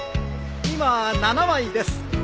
今７枚です。